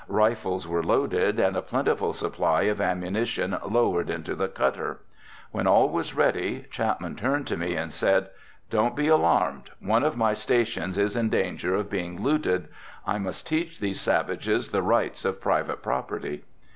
Rifles were loaded and a plentiful supply of ammunition lowered into the cutter. When all was ready Chapman turned to me and said: "Don't be alarmed, one of my stations is in danger of being looted. I must teach these savages the rights of private property."